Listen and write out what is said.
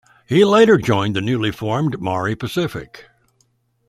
He later joined the newly formed Mauri Pacific.